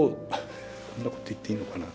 こんなこと言っていいのかな。